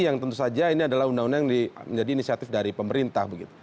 yang tentu saja ini adalah undang undang yang menjadi inisiatif dari pemerintah